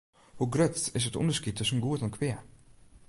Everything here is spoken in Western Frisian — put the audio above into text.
Hoe grut is it ûnderskied tusken goed en kwea?